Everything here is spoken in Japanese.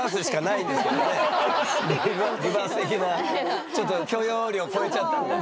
リバース的なやつってちょっと許容量超えちゃったんだ。